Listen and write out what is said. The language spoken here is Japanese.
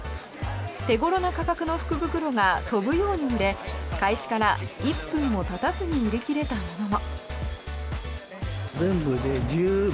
手頃な価格の福袋が飛ぶように売れ開始から１分もたたずに売り切れたものも。